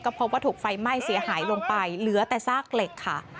พบว่าถูกไฟไหม้เสียหายลงไปเหลือแต่ซากเหล็กค่ะ